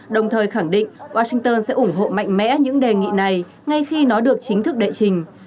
đồng thời khẳng định washington sẽ ủng hộ mạnh mẽ những đề nghị này ngay khi nó được chính thức đệ trình